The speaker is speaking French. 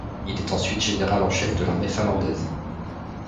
Il est ensuite général en chef de l'armée finlandaise.